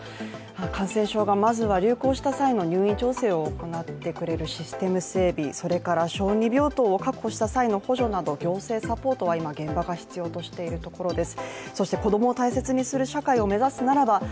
感染症がまずは流行した際の入院調整を行ってくれるシステム整備、それから小児病棟を確保した際の行政サポートは今、現場が必要としているところです。